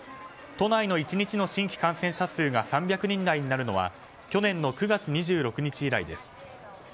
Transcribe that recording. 都内の１日の新規感染者数が３００人台になるのは去年の９月２６日以来です。